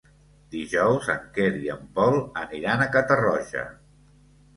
Dijous en Quer i en Pol aniran a Catarroja.